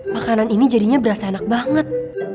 makanan ini jadinya berasa enak banget